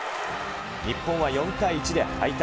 日本は４対１で敗退。